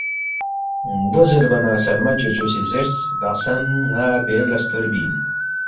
دو زیربا نہ سلمہ چوچو سی زیرس، ”دخسن ن٘ا بیر لہ ستوربی اِن